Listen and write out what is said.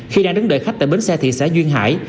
khi đang đứng đợi khách tại bến xe thị xã duyên hải